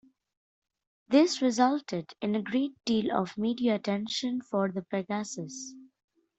This resulted in a great deal of media attention for Pigasus.